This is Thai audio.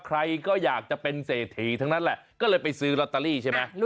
ใครก็อยากจะเป็นเศรษฐีทั้งนั้นแหละก็เลยไปซื้อลอตเตอรี่ใช่ไหม